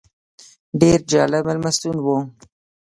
ډېر جالب مېلمستون و.